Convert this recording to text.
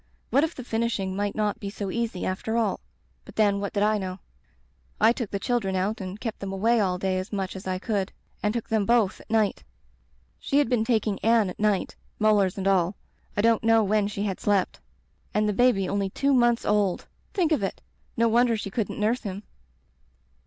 What if the finishing might not be so easy, after all ? But then, what did I know ? I took the children out and kept them away all day as much as I could, and took them both at night. She had been taking Anne at night, molars and all. I don't know when she had slept. And the baby only two months old! Think of it! No wonder she couldn't nurse him.